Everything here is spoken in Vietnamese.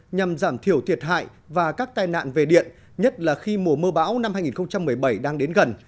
nhằm giảm thiểu thiệt hại và các tai nạn về điện nhất là khi mùa mưa bão năm hai nghìn một mươi bảy đang đến gần